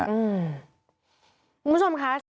คุณผู้ชมคะ